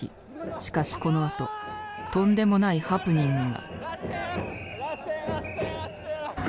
しかしこのあととんでもないハプニングが。